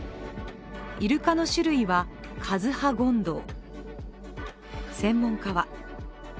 イルカの種類はカズハゴンドウ。